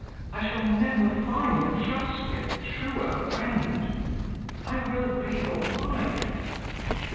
I shall never find a trustier, truer friend. I will be your wife.'